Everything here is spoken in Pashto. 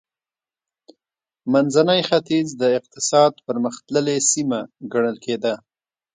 منځنی ختیځ د اقتصاد پرمختللې سیمه ګڼل کېده.